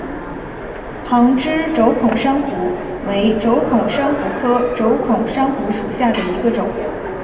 旁枝轴孔珊瑚为轴孔珊瑚科轴孔珊瑚属下的一个种。